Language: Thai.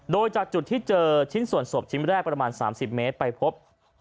โดยจากจุดที่เจอชิ้นส่วนศพชิ้นแรกประมาณ๓๐เมตรไปพบ